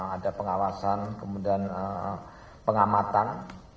ada pengawasan kemudian pengamatan